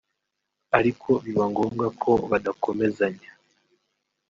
ariko biba ngombwa ko badakomezanya